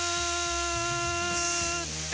って